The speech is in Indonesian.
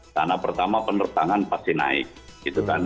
karena pertama penerbangan pasti naik gitu kan